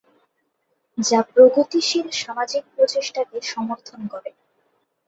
যা প্রগতিশীল সামাজিক প্রচেষ্টাকে সমর্থন করে।